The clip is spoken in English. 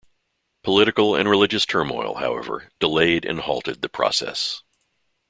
Political and religious turmoil, however, delayed and halted the process.